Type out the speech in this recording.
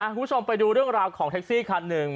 คุณผู้ชมไปดูเรื่องราวของแท็กซี่คันหนึ่ง